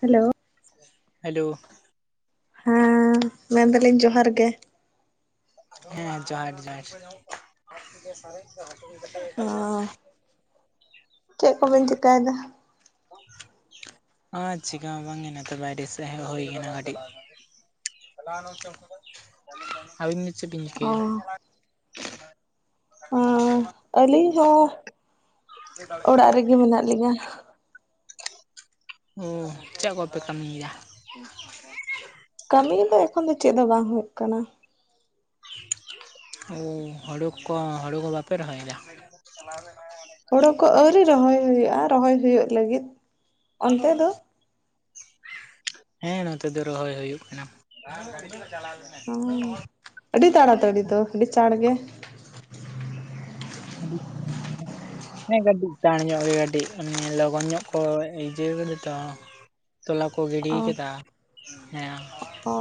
Hello hello ᱦᱮᱸ ᱢᱮᱱ ᱫᱟᱞᱤᱧ ᱡᱚᱦᱟᱨ ᱜᱮ, ᱦᱮᱸ ᱡᱚᱸᱦᱟᱨ ᱡᱚᱸᱦᱟᱨ [unintelligible] ᱚᱸ ᱪᱮᱫ ᱠᱚᱵᱮᱱ ᱪᱮᱠᱟᱭᱮᱫᱟ? [inaudible] ᱟᱨ ᱪᱮᱠᱟ ᱦᱚ ᱵᱟᱝ ᱜᱮ ᱱᱟᱛᱮ ᱵᱟᱭᱨᱮ ᱥᱮᱫ ᱦᱮᱡ ᱦᱳᱭ ᱠᱟᱱᱟ ᱠᱟᱹᱴᱤᱡ, [unintelligible] ᱟᱹᱵᱤᱱ ᱪᱮᱵᱤᱧ ᱚ ᱪᱤᱠᱟᱹᱭᱟ? ᱚᱸ ᱟᱹᱞᱤᱧ ᱦᱚᱸ ᱚᱲᱟᱜ ᱨᱮᱜᱮ ᱢᱮᱱᱟᱜ ᱞᱤᱧᱟ, ᱚ ᱪᱮᱫ ᱠᱚᱯᱮ ᱠᱟᱹᱢᱤ ᱭᱮᱫᱟ? ᱠᱟᱹᱢᱤ ᱫᱚ ᱮᱠᱷᱚᱱ ᱫᱚ ᱪᱮᱫ ᱦᱚ ᱵᱟᱝ ᱦᱩᱭᱩᱜ ᱠᱟᱱᱟ, ᱳ ᱦᱳᱲᱳ ᱠᱚ ᱦᱳᱲᱩ ᱠᱚ ᱵᱟᱯᱮ ᱨᱚᱦᱚᱭ ᱮᱫᱟ? ᱪᱟᱞᱟᱣ ᱞᱮᱱᱟᱭ ᱦᱟᱹᱱᱤ ᱦᱳᱲᱳ ᱠᱚ ᱟᱹᱣᱨᱤ ᱨᱚᱦᱚᱭ ᱦᱩᱭᱩᱜᱼᱟ ᱨᱚᱦᱚᱭ ᱦᱩᱭᱩᱜ ᱞᱟᱹᱜᱤᱫ, ᱚᱱᱟᱫᱚ ᱚᱱᱛᱮ ᱫᱚ? ᱦᱩᱭᱩᱜ [unintelligible] ᱦᱮᱸ ᱱᱚᱛᱮ ᱫᱚ ᱨᱚᱦᱚᱭ ᱦᱩᱭᱩᱜ ᱠᱟᱱᱟ, ᱦᱚᱸ ᱟᱹᱰᱤ ᱛᱟᱲᱟᱛᱟᱹᱲᱤ ᱫᱚ ᱟᱹᱰᱤ ᱪᱟᱲ ᱜᱮ, ᱟᱹᱰᱤ ᱟᱪᱪᱷᱟ, ᱦᱮᱸ ᱜᱟ. ᱴᱤᱡ ᱪᱟᱲ ᱧᱚᱜ ᱜᱮ ᱜᱟᱹᱰᱤ ᱞᱚᱜᱚᱱ ᱧᱚᱜ ᱠᱚ ᱤᱡᱤᱭᱟᱹ ᱠᱟᱫᱟ ᱛᱚ ᱛᱚᱞᱟ ᱠᱚ ᱜᱤᱰᱤ ᱚ ᱠᱟᱫᱟ ᱚ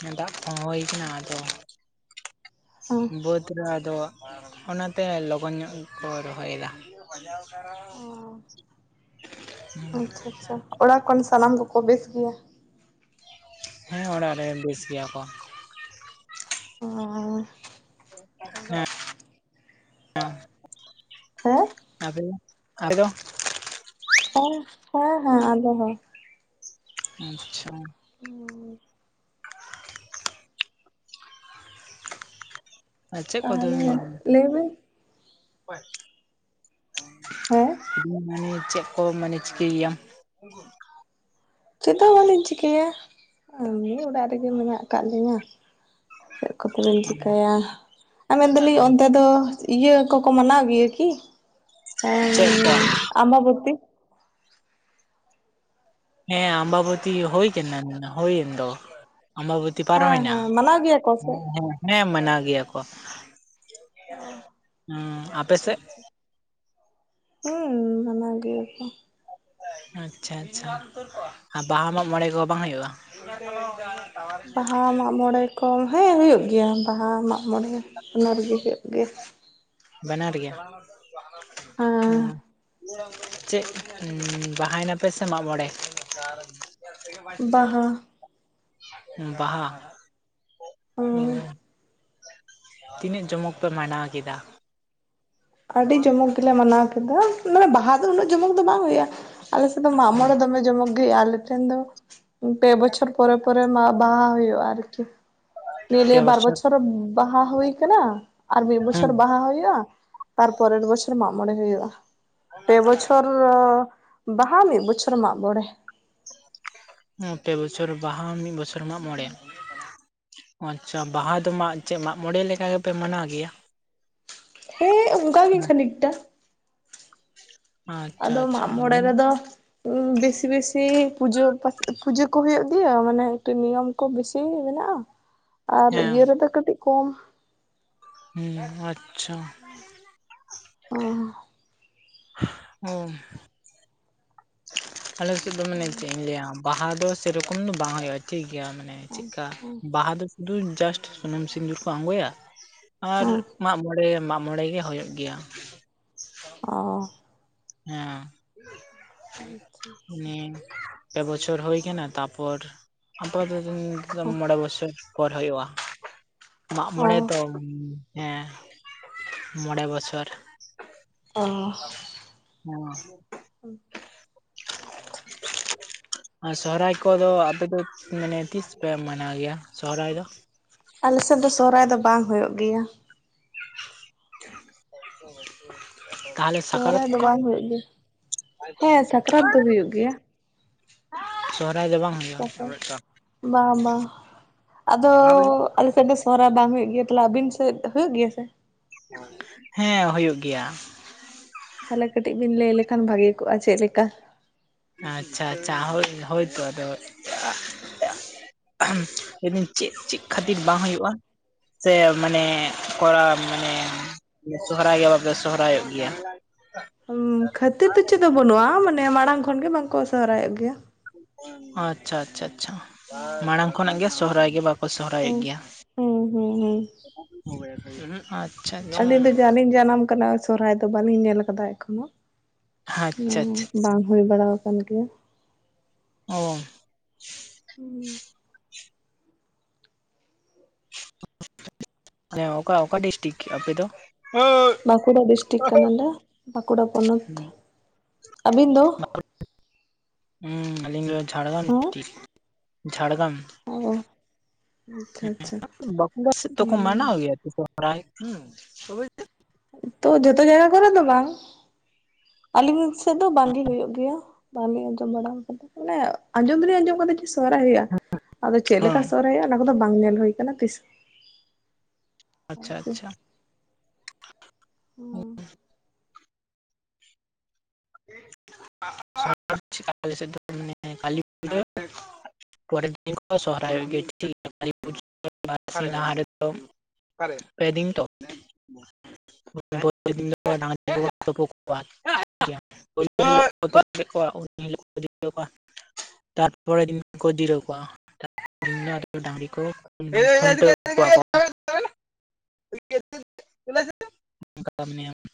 ᱦᱮᱸ ᱫᱟᱜ ᱠᱚᱦᱚᱸ ᱦᱩᱭ ᱠᱟᱱᱟ ᱟᱫᱚ ᱦᱮᱸ ᱵᱳᱛ ᱨᱮ ᱟᱫᱚ ᱚᱱᱟᱛᱮ ᱞᱚᱜᱚᱱ ᱧᱚᱜ ᱜᱮ ᱠᱚ ᱨᱚᱦᱚᱭ ᱮᱫᱟ, ᱚ ᱟᱪᱪᱷᱟ ᱟᱪᱪᱷᱟ ᱚᱲᱟᱜ ᱠᱷᱚᱱ ᱥᱟᱱᱟᱢ ᱠᱚᱠᱚ ᱵᱮᱥ ᱜᱤᱭᱟ, ᱦᱮᱸ ᱚᱲᱟᱜ ᱨᱮ ᱵᱮᱥ ᱜᱮᱭᱟ ᱠᱚ, ᱚ [unintelligible] ᱦᱮᱸ ᱦᱮᱸ [inaudible] ᱦᱮᱸ [inaudible] [unintelligible] ᱦᱮᱸ ᱦᱮᱸ ᱦᱮᱸ ᱟᱞᱮ ᱦᱚᱸ ᱟᱪᱪᱷᱟ, ᱟᱨ ᱪᱮᱫ ᱠᱚᱫᱚ [unintelligible] ᱞᱟᱹᱭ ᱵᱤᱱ ᱦᱮᱸ [unintelligible] ᱢᱟᱱᱮ ᱪᱮᱫ ᱠᱚ ᱢᱟᱱᱮ ᱪᱤᱠᱟᱹᱭ ᱭᱟᱢ, [unintelligible] ᱪᱮᱫ ᱦᱚᱸ ᱵᱟᱹᱞᱤᱧ ᱪᱤᱠᱟᱹᱭᱟ ᱮᱢᱱᱤ ᱚᱲᱟᱜ ᱨᱮᱜᱮ ᱢᱮᱱᱟᱜ ᱠᱟᱜ ᱞᱤᱧᱟ, ᱪᱮᱫ ᱠᱚᱛᱮ ᱵᱮᱱ ᱪᱤᱠᱟᱹᱭᱟ ᱟᱨ ᱢᱮᱱ ᱫᱟᱹᱞᱤᱧ ᱚᱱᱛᱮ ᱫᱚ ᱤᱭᱟᱹ ᱠᱚᱠᱚ ᱢᱟᱱᱟᱣ ᱜᱮᱭᱟ ᱠᱤ? ᱪᱮᱫ ᱠᱚ? ᱟᱢᱵᱟᱵᱚᱛᱤ, ᱦᱮᱸ ᱟᱢᱵᱟᱵᱚᱛᱤ ᱦᱩᱭ ᱠᱟᱱᱟ [unintelligible] ᱦᱩᱭᱮᱱ ᱫᱚ ᱟᱢᱵᱟᱵᱚᱛᱤ, ᱛᱤ ᱯᱟᱨᱚᱢ ᱦᱮᱸ ᱮᱱᱟ ᱦᱮᱸ ᱢᱟᱱᱟᱣ ᱜᱮᱭᱟ ᱠᱚ ᱥᱮ ᱦᱩᱸ ᱦᱮᱸ ᱦᱮᱸ ᱢᱟᱱᱟᱣ ᱜᱮᱭᱟ ᱠᱚ ᱦᱩᱸ ᱟᱯᱮ ᱟᱪᱪᱷᱟ ᱥᱮᱫ ᱟᱪᱪᱷᱟ ᱦᱩᱸ ᱢᱟᱱᱟᱣ ᱜᱤᱭᱟᱠᱚ, ᱟᱪᱪᱷᱟ ᱟᱪᱪᱷᱟ ᱟᱨ ᱵᱟᱦᱟ ᱢᱟᱜᱽ ᱢᱚᱬᱮ ᱠᱚ ᱵᱟᱝ ᱦᱩᱭᱩᱜᱼᱟ, ᱵᱟᱦᱟ ᱢᱟᱜᱽ ᱢᱚᱬᱮ ᱠᱚᱢ ᱦᱮᱸ ᱦᱩᱭᱩᱜ ᱜᱮᱭᱟ ᱵᱟᱦᱟ ᱢᱟᱜᱽ ᱢᱚᱬᱮ ᱚᱱᱟ ᱨᱮᱜᱮ ᱦᱩᱭᱩᱜ ᱜᱮᱭᱟ, ᱵᱟᱱᱟᱨ ᱜᱮ ᱦᱮᱸ ᱦᱩᱸ ᱪᱮᱫ ᱵᱟᱦᱟᱭᱱᱟᱯᱮ ᱥᱮ ᱢᱟᱜ ᱢᱚᱬᱮ ᱵᱟᱦᱟ [unintelligible] ᱵᱟᱦᱟ ᱦᱩᱸ ᱦᱮᱸ ᱛᱤᱱᱟᱹᱜ ᱡᱚᱢᱚᱠ ᱯᱮ ᱢᱟᱱᱟᱣ ᱠᱮᱫᱟ ᱟᱹᱰᱤ ᱡᱚᱢᱚᱠ ᱜᱮᱞᱮ ᱢᱟᱱᱟᱣ ᱠᱮᱫᱟ ᱢᱟᱱᱮ ᱵᱟᱦᱟ ᱫᱚ ᱩᱱᱟᱹᱜ ᱡᱚᱢᱚᱠ ᱫᱚ ᱵᱟᱝ ᱦᱩᱭᱩᱜᱼᱟ ᱟᱞᱮᱥᱮᱫ ᱫᱚ ᱢᱟᱜ ᱢᱚᱲᱮ ᱫᱚᱢᱮ ᱡᱚᱢᱚᱜ [unintelligible] ᱟᱞᱮ ᱴᱷᱮᱱ ᱫᱚ ᱯᱮ ᱵᱚᱪᱷᱚᱨ ᱯᱚᱨᱮ ᱯᱚᱨᱮ ᱢᱟ ᱵᱟᱦᱟ ᱦᱩᱭᱩᱜᱼᱟ ᱟᱨᱠᱤ ᱱᱤᱭᱟ. ᱞᱤᱭᱮ ᱵᱟᱨ ᱵᱚᱪᱷᱚᱨ ᱵᱟᱦᱟ ᱦᱩᱭ ᱠᱟᱱᱟ ᱟᱨ ᱢᱤᱫ ᱦᱮᱸ ᱵᱚᱪᱷᱚᱨ ᱵᱟᱦᱟ ᱦᱩᱭᱩᱜᱼᱟ ᱛᱟᱨᱯᱚᱨᱮᱨ ᱵᱚᱪᱷᱚᱨ ᱢᱟᱜ ᱢᱚᱬᱮ ᱦᱩᱭᱩᱜᱼᱟ ᱯᱮ ᱵᱚᱪᱷᱚᱨ ᱵᱟᱦᱟ ᱢᱤᱫ ᱵᱚᱪᱷᱚᱨ ᱢᱟᱜ ᱵᱚᱲᱮ ᱯᱮ ᱵᱚᱪᱷᱚᱨ ᱵᱟᱦᱟ ᱢᱤᱫ ᱵᱚᱪᱷᱚᱨ ᱢᱟᱜᱽ ᱢᱚᱬᱮ ᱟᱪᱪᱷᱟ ᱵᱟᱦᱟ ᱫᱚ ᱢᱟ ᱪᱮᱫ ᱢᱟᱜ ᱢᱚᱬᱮ ᱞᱮᱠᱟ ᱜᱮᱯᱮ ᱢᱟᱱᱟᱣ ᱜᱮᱭᱟ ᱦᱮᱸ ᱚᱱᱠᱟ ᱜᱤ ᱠᱷᱟᱹᱱᱤᱠᱴᱟ ᱟᱪᱪᱷᱟ ᱟᱫᱚ ᱟᱪᱪᱷᱟ ᱢᱟᱜ ᱢᱚᱬᱮ ᱨᱮᱫᱚ ᱵᱮᱥᱤ ᱵᱮᱥᱤ ᱯᱩᱡᱟᱹ ᱯ ᱯᱩᱡᱟᱹ ᱠᱚ ᱦᱩᱭᱩᱜ ᱜᱮᱭᱟ ᱢᱟᱱᱮ ᱮᱠᱴᱩ ᱱᱤᱭᱚᱢ ᱠᱚ ᱵᱮᱥᱤ ᱢᱮᱱᱟᱜᱼᱟ [inaudible] ᱟᱨ ᱤᱭᱟᱹ ᱨᱮᱫᱚ ᱠᱟᱹᱴᱤᱜ ᱠᱚᱢ ᱦᱩᱸ ᱟᱪᱪᱷᱟ ᱦᱢ [unintelligible] ᱚ ᱟᱞᱮ ᱥᱮᱫ ᱫᱚ ᱢᱟᱱᱮ ᱪᱮᱫ ᱤᱧ ᱞᱟᱹᱭᱟ ᱵᱟᱦᱟ ᱫᱚ ᱥᱮᱨᱚᱠᱚᱢ ᱫᱚ ᱵᱟᱝ ᱦᱩᱭᱩᱜᱼᱟ ᱴᱷᱤᱠ ᱜᱮᱭᱟ ᱢᱟᱱᱮ ᱪᱮᱫᱠᱟ ᱵᱟᱦᱟ ᱫᱚ ᱥᱩᱫᱷᱩ ᱡᱟᱥᱴ ᱥᱩᱱᱩᱢ ᱥᱤᱸᱫᱩᱨ ᱠᱚ ᱟᱬᱜᱚᱭᱟ ᱟᱨ ᱢᱟᱜ ᱢᱚᱬᱮ ᱢᱟᱜ ᱢᱚᱬᱮ ᱜᱮ ᱦᱳᱭᱳᱜ ᱜᱮᱭᱟ ᱚ ᱦᱮᱸ ᱦᱩ ᱯᱮ ᱵᱚᱪᱷᱚᱨ ᱦᱩᱭ ᱠᱟᱱᱟ ᱛᱟᱯᱚᱨ ᱟᱯᱟᱛᱚ ᱢᱚᱬᱮ ᱵᱚᱪᱷᱚᱨ ᱯᱚᱨ ᱦᱩᱭᱩᱜᱼᱟ ᱢᱟᱜ ᱢᱚᱬᱮ ᱛᱚ ᱦᱩᱸ ᱦᱮᱸ ᱢᱚᱬᱮ ᱵᱚᱪᱷᱚᱨ ᱚ ᱦᱮᱸ [inaudible] ᱟᱨ ᱥᱚᱦᱨᱟᱭ ᱠᱚᱫᱚ ᱟᱯᱮ ᱫᱚ ᱢᱟᱱᱮ ᱛᱤᱥ ᱯᱮ ᱢᱟᱱᱟᱣ ᱜᱮᱭᱟ ᱥᱚᱦᱚᱨᱟᱭ ᱫᱚ ᱟᱞᱮᱥᱮᱫ ᱫᱚ ᱥᱚᱦᱚᱨᱟᱭ ᱫᱚ ᱵᱟᱝ ᱦᱩᱭᱩᱜ ᱜᱮᱭᱟ [inaudible] ᱛᱟᱦᱚᱞᱮ ᱥᱟᱠᱨᱟᱛ ᱥᱚᱦᱨᱟᱭ ᱫᱚ ᱠᱚ? ᱵᱟᱝ ᱦᱩᱭᱩᱜ ᱜᱮᱭᱟ ᱦᱮᱸ ᱥᱟᱠᱨᱟᱛ ᱫᱚ ᱦᱩᱭᱩᱜ [unintelligible] ᱜᱮᱭᱟ ᱥᱚᱦᱨᱟᱭ ᱫᱚ ᱵᱟᱝ ᱦᱩᱭᱩᱜ [unintelligible] ᱵᱟᱝ ᱢᱟ ᱟᱫᱚ ᱟᱞᱮᱥᱮᱫ ᱫᱚ ᱥᱚᱦᱚᱨᱟᱭ ᱵᱟᱝ ᱦᱩᱭᱩᱜ ᱜᱮᱭᱟ ᱛᱟᱦᱚᱞᱮ ᱟᱵᱤᱱ ᱥᱮᱫ ᱦᱩᱭᱩᱜ ᱜᱮᱭᱟ ᱥᱮ ᱦᱮᱸ ᱦᱩᱭᱩᱜ ᱜᱮᱭᱟ ᱛᱟᱦᱚᱞᱮ ᱠᱟᱹᱴᱤᱡ ᱵᱤᱱ ᱞᱟᱹᱭ ᱞᱮᱠᱷᱟᱱ ᱵᱷᱟᱜᱮ ᱠᱚᱜᱼᱟ ᱪᱮᱫ ᱞᱮᱠᱟ ᱟᱪᱪᱷᱟ ᱟᱪᱪᱷᱟ ᱦᱳᱭ ᱦᱳᱭ ᱛᱳ ᱟᱫᱚ [unintelligible] [unintelligible] ᱢᱤᱱᱫᱤᱱ ᱪᱮᱫ ᱪᱮᱫ ᱠᱷᱟᱹᱛᱤᱨ ᱵᱟᱝ ᱦᱩᱭᱩᱜᱼᱟ ᱥᱮ ᱢᱟᱱᱮ ᱠᱚᱨᱟᱣ ᱢᱟᱱᱮ ᱥᱚᱦᱨᱟᱭ ᱜᱮ ᱵᱟᱯᱮ ᱥᱚᱦᱨᱟᱭᱚᱜ ᱜᱮᱭᱟ ᱠᱷᱟᱹᱛᱤᱨ ᱫᱚ ᱪᱮᱫ ᱫᱚ ᱵᱟᱹᱱᱩᱜᱼᱟ ᱢᱟᱱᱮ ᱢᱟᱲᱟᱝ ᱠᱷᱚᱱᱜᱮ ᱵᱟᱝᱠᱚ ᱥᱚᱦᱨᱟᱭᱚᱜ ᱜᱮᱭᱟ ᱟᱪᱪᱷᱟ ᱟᱪᱪᱷᱟ ᱟᱪᱪᱷᱟ ᱢᱟᱲᱟᱝ ᱠᱷᱚᱱᱟᱜ ᱜᱮ ᱥᱚᱦᱨᱟᱭ ᱜᱮ ᱵᱟᱠᱚ ᱥᱚᱦᱨᱟᱭᱚᱜ ᱦᱩᱸ ᱜᱮᱭᱟ ᱦᱩᱸ ᱦᱩᱸ ᱦᱩᱸ [inaudible] [unintelligible] ᱩᱦᱩᱜ ᱟᱪᱪᱷᱟ ᱟᱪᱪᱷᱟ ᱟᱹᱞᱤᱧ ᱫᱚ ᱡᱟᱞᱤᱧ ᱡᱟᱱᱟᱢ ᱠᱟᱱᱟ ᱥᱚᱨᱟᱭ ᱫᱚ ᱵᱟᱹᱞᱤᱧ ᱧᱮᱞ ᱟᱠᱟᱫᱟ ᱮᱠᱷᱚᱱᱚ ᱟᱪᱪᱷᱟ ᱚᱸ ᱟᱪᱪᱷᱟ ᱵᱟᱝ ᱦᱩᱭ ᱵᱟᱲᱟᱣ ᱠᱟᱱ ᱜᱮᱭᱟ᱾ ᱚᱸ ᱦᱩᱸ [inaudible] ᱦᱮᱸ ᱚᱠᱟ ᱚᱠᱟ ᱰᱤᱥᱴᱤᱠ ᱟᱯᱮ ᱫᱚ? ᱦᱩᱸ ᱵᱟᱸᱠᱩᱲᱟ ᱰᱤᱥᱴᱤᱠ ᱠᱟᱱᱟᱞᱮ᱾ ᱵᱟᱸᱠᱩᱲᱟ ᱯᱚᱱᱚᱛ ᱟᱹᱵᱤᱱ ᱫᱚ? [inaudible] ᱚᱢ ᱟᱹᱞᱤᱧ ᱫᱚ ᱡᱷᱟᱲᱜᱟᱢ ᱦᱮᱸ ᱰᱤᱥᱴᱤᱠ ᱡᱷᱟᱲᱜᱟᱢ᱾ ᱚ ᱟᱪᱪᱷᱟ ᱟᱪᱪᱷᱟ [unintelligible] ᱵᱟᱸᱠᱩᱲᱟ ᱥᱮᱫ ᱫᱚᱠᱚ ᱦᱩᱸ ᱢᱟᱱᱟᱣ ᱜᱮᱭᱟ ᱥᱚᱦᱨᱟᱭ? ᱦᱚᱸ ᱛᱚᱵᱮ ᱛᱚ ᱡᱚᱛᱚ ᱡᱟᱭᱜᱟ ᱠᱚᱨᱮ ᱫᱚ ᱵᱟᱝ ᱟᱹᱞᱤᱧ ᱥᱮᱫ ᱫᱚ ᱵᱟᱝᱜᱤ ᱦᱩᱭᱩᱜ ᱜᱮᱭᱟ᱾ ᱵᱟᱞᱤᱧ ᱟᱸᱡᱚᱢ ᱵᱟᱲᱟᱣ ᱠᱟᱫᱟ ᱢᱟᱱᱮ ᱟᱸᱡᱚᱢ ᱫᱚᱞᱤᱧ ᱟᱸᱡᱚᱢ ᱟᱠᱟᱫᱟ ᱡᱮ ᱥᱚᱦᱨᱟᱭ ᱦᱩᱭᱩᱜᱼᱟ᱾ ᱟᱫᱚ ᱪᱮᱜ ᱞᱮᱠᱟ ᱦᱮᱸ ᱥᱚᱨᱦᱟᱭ ᱦᱩᱭᱩᱜᱼᱟ? ᱚᱱᱟ ᱠᱚᱫᱚ ᱵᱟᱝ ᱧᱮᱞ ᱦᱩᱭᱩ ᱠᱟᱱᱟ ᱛᱤᱥ ᱟᱪᱷᱟ ᱟᱨᱠᱤ ᱟᱪᱷᱟ᱾ ᱦᱩ [unintelligible] ᱢᱟᱱᱮ ᱠᱟᱞᱤ [unintelligible] ᱯᱚᱨᱮᱨ ᱫᱤᱱ ᱠᱚ ᱥᱚᱦᱚᱨᱟᱭᱟᱭᱚᱜ ᱜᱮᱭᱟ [inaudible] ᱚᱠᱟᱨᱮ ᱯᱮ ᱫᱤᱱ ᱛᱚ? [inaudible] [inaudible] ᱛᱟᱨ ᱯᱚᱨᱮ ᱫᱤᱱ ᱠᱚ ᱡᱤᱨᱟᱹᱣ ᱠᱚᱣᱟ᱾ [unintelligible] ᱰᱟᱝᱨᱤ ᱠᱚ ᱠᱷᱩᱱᱴᱟᱹᱣ ᱠᱚᱣᱟ [unintelligible] [inaudible]